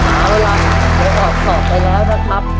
หาเวลาเดี๋ยวออกสอบไปแล้วนะครับ